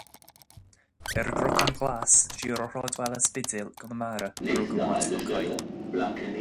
Ar an gCnocán Glas, siar ó shráidbhaile an Spidéil i gConamara, a rugadh Máirtín Ó Cadhain.